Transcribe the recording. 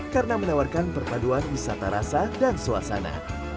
karena menawarkan perpaduan wisata rasa dan suasana